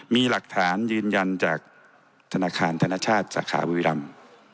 มีหลักฐานยืนยันจากธนาคารธนชาติสาขาบุรีรำ